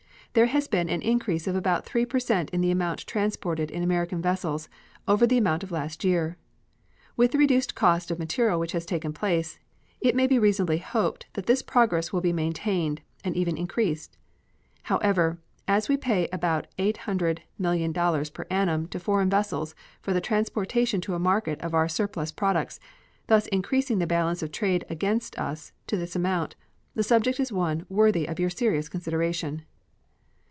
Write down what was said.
There has been an increase of about 3 per cent in the amount transported in American vessels over the amount of last year. With the reduced cost of material which has taken place, it may reasonably be hoped that this progress will be maintained, and even increased. However, as we pay about $80,000,000 per annum to foreign vessels for the transportation to a market of our surplus products, thus increasing the balance of trade against us to this amount, the subject is one worthy of your serious consideration.